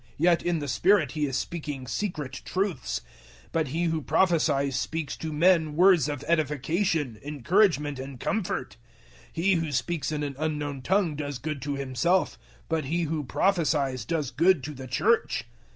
Yet in the Spirit he is speaking secret truths. 014:003 But he who prophesies speaks to men words of edification, encouragement and comfort. 014:004 He who speaks in an unknown tongue does good to himself, but he who prophesies does good to the Church.